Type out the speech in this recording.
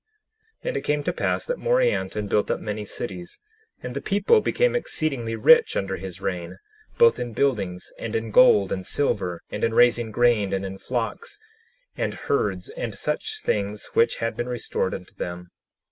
10:12 And it came to pass that Morianton built up many cities, and the people became exceedingly rich under his reign, both in buildings, and in gold and silver, and in raising grain, and in flocks, and herds, and such things which had been restored unto them.